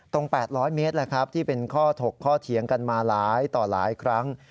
๘๐๐เมตรที่เป็นข้อถกข้อเถียงกันมาหลายต่อหลายครั้ง